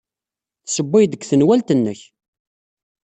Tessewwayed deg tenwalt-nnek.